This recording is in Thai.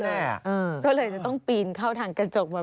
เพราะเลยจะต้องปีนเข้าทางกระจกแบบนี้